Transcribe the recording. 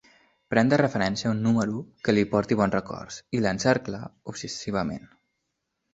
Pren de referència un número que li porti bons records i l'encercla obsessivament.